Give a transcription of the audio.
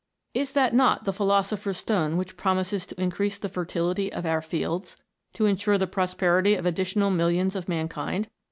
Is that not the phi losopher's stone which promises to increase the fertility of our fields, and to ensure the prosperity of additional millions of mankind